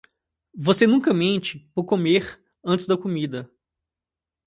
Você nunca mente por comer antes da comida?